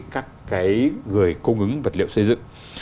các cái người cung ứng vật liệu xây dựng